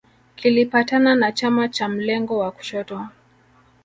Kilipatana na chama cha mlengo wa kushoto